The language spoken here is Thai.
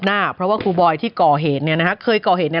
หน้าเพราะว่าครูบอยที่ก่อเหตุเนี่ยนะฮะเคยก่อเหตุเนี่ย